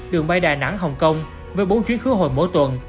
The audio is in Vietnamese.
đường bay đà nẵng hồng kông với bốn chuyến khứa hồi mỗi tuần